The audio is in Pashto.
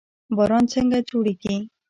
باران څنګه جوړیږي؟